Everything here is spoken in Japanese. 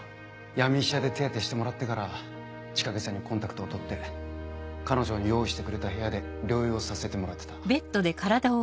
闇医者で手当てしてもらってから千景さんにコンタクトを取って彼女の用意してくれた部屋で療養させてもらってた。